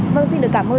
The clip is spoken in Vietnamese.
vâng xin được cảm ơn